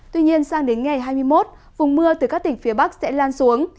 tuy nhiên sang đến ngày hai mươi một vùng mưa từ các tỉnh phía bắc sẽ lan xuống